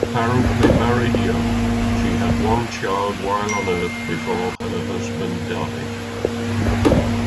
Apparently married young, she had one child while on Earth before her husband died.